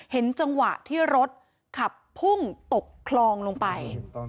เห็นจังหวะที่รถขับพุ่งตกคลองลงไป